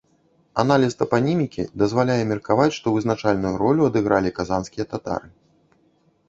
Аналіз тапанімікі дазваляе меркаваць, што вызначальную ролю адыгралі казанскія татары.